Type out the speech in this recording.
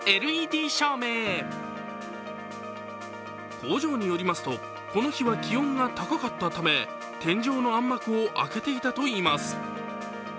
工場によりますとこの日は気温が高かったため、天井の暗幕を開けていたといいます。